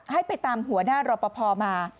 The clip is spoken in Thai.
ให้ไปตามหัวหน้ารอปภมา